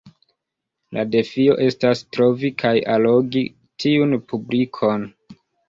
La defio estas trovi kaj allogi tiun publikon.